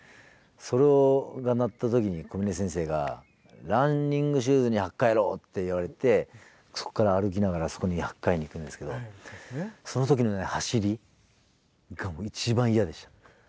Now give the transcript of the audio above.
それが鳴った時に小嶺先生が「ランニングシューズに履き替えろ」って言われてそこから歩きながらあそこに履き替えに行くんですけどその時の走りが一番嫌でした。